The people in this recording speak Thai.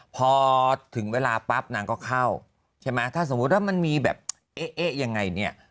พอถึงเวลาปั๊บนางก็เข้าใช่ไหมถ้าสมมุติว่ามันมีแบบเอ๊ะยังไงเนี่ย